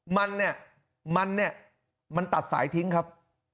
มันเนี่ยมันเนี่ยมันตัดสายทิ้งครับ